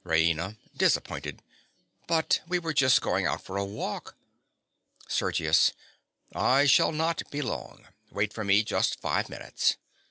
RAINA. (disappointed). But we are just going out for a walk. SERGIUS. I shall not be long. Wait for me just five minutes.